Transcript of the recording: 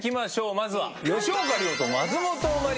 まずは。